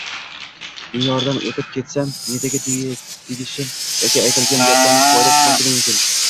Me’yoridan ortib ketsa, me’daga tegishi yoki aytilgan gapdan foyda chiqmasligi mumkin.